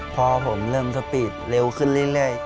พอผมเริ่มสปีดเร็วขึ้นเรื่อย